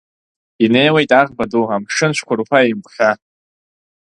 Инеиуеит аӷба ду, амшын цәқәырԥа еимгәҳәа.